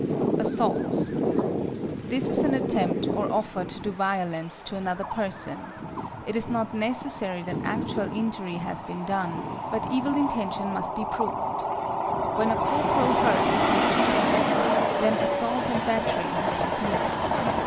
=Assault.= This is an attempt or offer to do violence to another person; it is not necessary that actual injury has been done, but evil intention must be proved. When a corporal hurt has been sustained, then assault and battery has been committed.